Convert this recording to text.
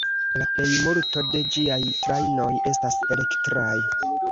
La plejmulto de ĝiaj trajnoj estas elektraj.